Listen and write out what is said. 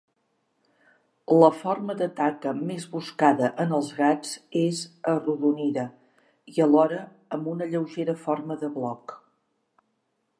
La forma de taca més buscada en els gats és arrodonida, i alhora amb una lleugera forma de bloc.